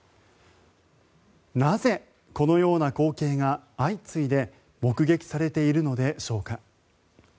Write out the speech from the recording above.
なぜ、このような光景が相次いで目撃されているのでしょうか。